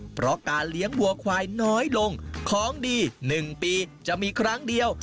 เพราะการเลี้ยงวัวควายน้อยลงของดี๑ปีจะมีครั้งเดียว